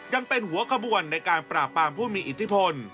ยังเป็นหัวขบวนในการปราบปรามผู้มีอิทธิพล